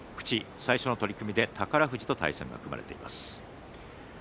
最初の取組で宝富士と対戦が組まれています。